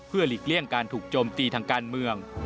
หลีกเลี่ยงการถูกโจมตีทางการเมือง